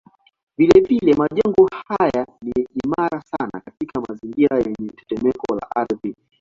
Vilevile majengo haya si imara sana katika mazingira yenye tetemeko la ardhi.